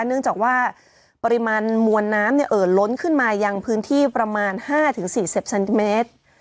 เนื่องจากว่าปริมาณมวลน้ำเอ่อล้นขึ้นมายังพื้นที่ประมาณ๕๔๐เซนติเมตร